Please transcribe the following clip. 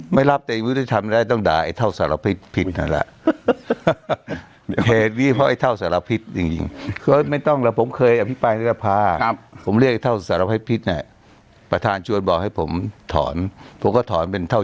ไม่ถอดไม่ถอดด้วยเอาล่ะครับมีอะไรไปกับหมอชวนข้างสองคนนะ